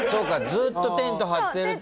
ずっとテント張ってると。